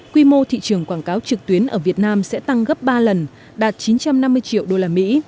quy mô thị trường quảng cáo trực tuyến ở việt nam sẽ tăng gấp ba lần đạt chín trăm năm mươi triệu đô la mỹ